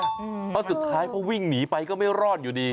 เห็นไหมล่ะแล้วสุดท้ายเพราะวิ่งหนีไปก็ไม่รอดอยู่ดี